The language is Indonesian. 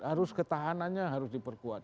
harus ketahanannya diperkuat